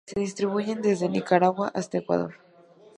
Se distribuyen desde Nicaragua hasta Ecuador.